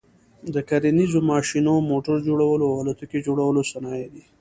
د کرنیز ماشینو، موټر جوړلو او الوتکي جوړلو صنایع دي.